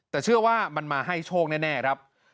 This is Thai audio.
แต่เชื่อว่ามันมาให้โชคแน่ครับ